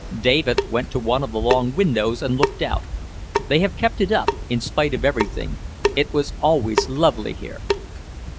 David went to one of the long windows and looked out. "They have kept it up, in spite of everything. It was always lovely here."